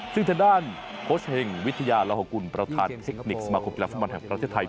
ซึ่งทางด้านโค้ชเฮงวิทยาลหกุลประธานเทคนิคสมาคมกีฬาฟุตบอลแห่งประเทศไทย